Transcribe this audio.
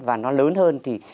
và nó lớn hơn